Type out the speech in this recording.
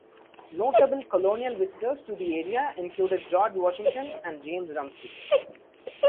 Notable colonial visitors to the area included George Washington and James Rumsey.